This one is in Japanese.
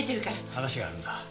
話があるんだ。